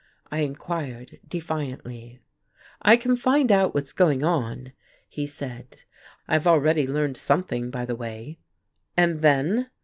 I inquired defiantly. "I can find out what's going on," he said. "I have already learned something, by the way." "And then?"